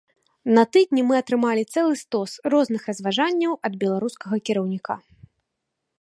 На тыдні мы атрымалі цэлы стос розных разважанняў ад беларускага кіраўніка.